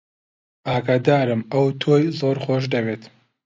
ئاگادارم ئەو تۆی زۆر خۆش دەوێت.